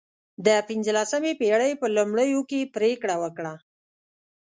د پنځلسمې پېړۍ په لومړیو کې پرېکړه وکړه.